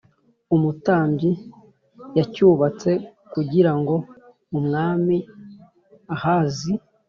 umutambyi yacyubatse kugira ngo umwami Ahazi